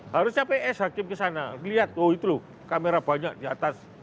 harusnya ps hakim ke sana lihat oh itu loh kamera banyak di atas